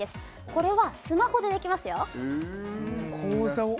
これはスマホでできますよ口座を？